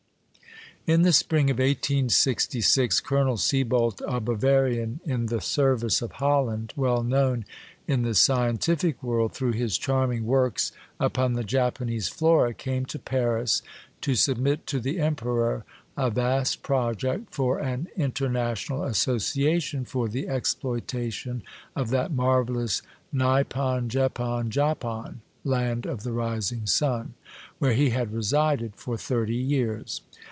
In the spring of 1866, Colonel Sieboldt, a Bava rian in the service of Holland, well known in the scientific world through his charming works upon the Japanese flora, came to Paris to submit to the Emperor a vast project for an international associa tion for the exploitation of that marvellous Nipon Jepon Japon (Land of the Rising Sun), where he had resided for thirty years.